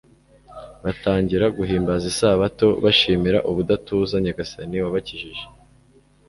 batangira guhimbaza isabato, bashimira ubudatuza nyagasani wabakijije